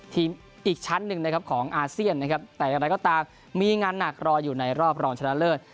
อีกชั้นหนึ่งนะครับของอาเซียนนะครับแต่อย่างไรก็ตามมีงานหนักรออยู่ในรอบรองชนะเลิศ